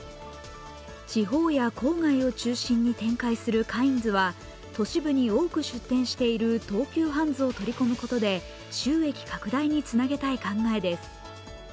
地方や郊外を中心に展開するカインズは都市部に多く出店している東急ハンズを取り込むことで収益拡大につなげたい考えです。